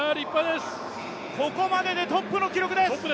ここまででトップの記録です。